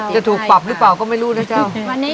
จะถูกปรับหรือเปล่าก็ไม่รู้นะเจ้า